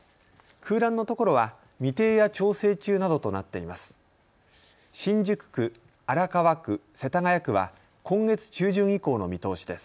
空欄のところは未定や調整中などとなっています。